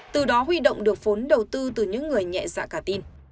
từ đó huy động được vốn đầu tư từ những người nhẹ dạ cả tin